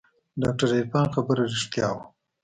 د ډاکتر عرفان خبره رښتيا وه.